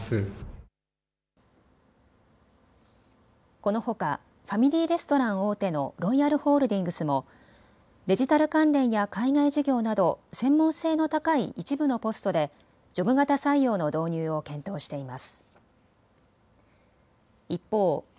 このほかファミリーレストラン大手のロイヤルホールディングスもデジタル関連や海外事業など専門性の高い一部のポストでジョブ型採用の導入を検討しています。